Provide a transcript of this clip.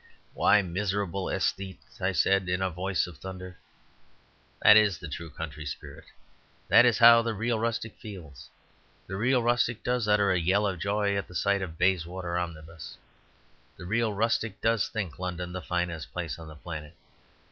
"Why, miserable aesthete," I said in a voice of thunder, "that is the true country spirit! That is how the real rustic feels. The real rustic does utter a yell of joy at the sight of a Bayswater omnibus. The real rustic does think London the finest place on the planet.